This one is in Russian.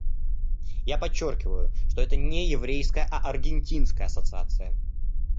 Я подчеркиваю, что это не еврейская, а аргентинская ассоциация.